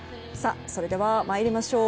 それでは参りましょう。